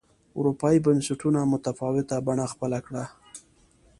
اروپايي بنسټونو متفاوته بڼه خپله کړه.